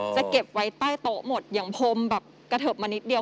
จะเก็บไว้ใต้โต๊ะหมดอย่างพรมแบบกระเทิบมานิดเดียว